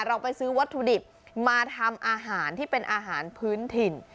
เราไปซื้อวัตถุดิบมาทำอาหารที่เป็นอาหารพื้นถิ่น